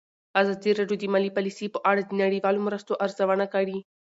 ازادي راډیو د مالي پالیسي په اړه د نړیوالو مرستو ارزونه کړې.